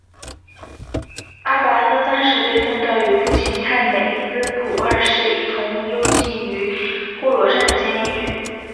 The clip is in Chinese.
阿拔斯三世被送到与父亲太美斯普二世一同幽禁于呼罗珊的监狱。